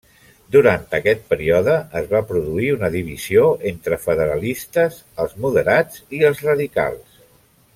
Durant aquest període es va produir una divisió entre federalistes, els moderats i els radicals.